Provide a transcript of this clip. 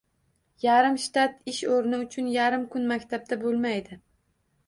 Yarim shtat ish o‘rni uchun yarim kun maktabda bo‘lmaydi.